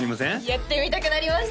やってみたくなりました！